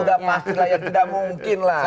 sudah pasti lah ya tidak mungkin lah